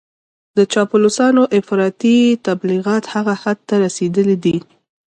د چاپلوسانو افراطي تبليغات هغه حد ته رسېدلي دي.